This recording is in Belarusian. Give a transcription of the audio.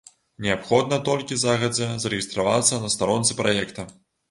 Неабходна толькі загадзя зарэгістравацца на старонцы праекта.